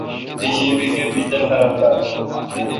بیشی بی گہ بجلی خراب بال۔